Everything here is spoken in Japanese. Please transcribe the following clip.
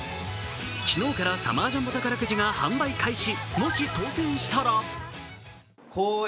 昨日からサマージャンボ宝くじが販売開始。